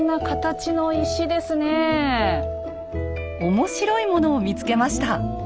面白いものを見つけました。